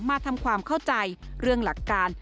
มาทำความเข้าใจเรื่องหลักการ